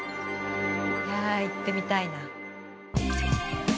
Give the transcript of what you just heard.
「いや行ってみたいな」